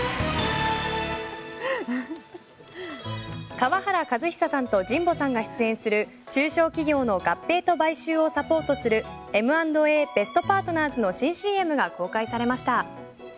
川原和久さんと神保さんが出演する中小企業の合併と買収をサポートするＭ＆Ａベストパートナーズの新ＣＭが公開されました。